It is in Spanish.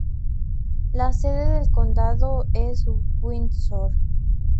La sede del condado es Windsor.